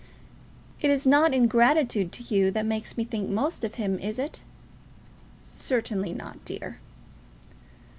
"It is not ingratitude to you that makes me think most of him; is it?" "Certainly not, dear."